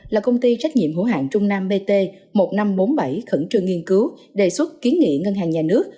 là công ty trách nhiệm hữu hạng trung nam bt một nghìn năm trăm bốn mươi bảy khẩn trương nghiên cứu đề xuất kiến nghị ngân hàng nhà nước